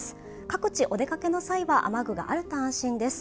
各地お出かけの際は雨具があると安心です。